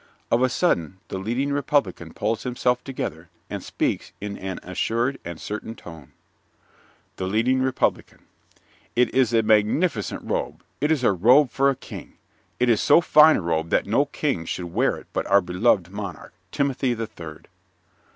Of a sudden the Leading Republican pulls himself together and speaks in an assured and certain tone._) THE LEADING REPUBLICAN It is a magnificent robe. It is a robe for a King. It is so fine a robe that no king should wear it but our beloved monarch, Timothy the Third.